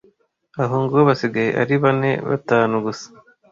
aho ngo basigaye ari bane batanu gusa.